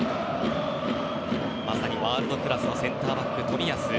まさにワールドクラスのセンターバック、冨安。